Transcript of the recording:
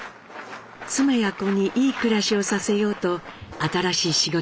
妻や子にいい暮らしをさせようと新しい仕事に就きます。